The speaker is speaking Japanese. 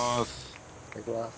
いただきます。